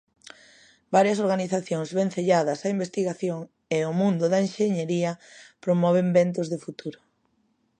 Varias organizacións vencelladas á investigación e ó mundo da enxeñería promoven Ventos de futuro.